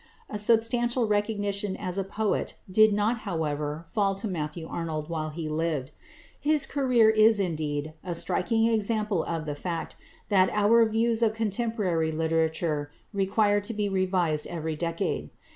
A substantial recognition as a poet did not however fall to Matthew Arnold while he lived. His career is, indeed, a striking example of the fact that our views of contemporary literature require to be revised every decade.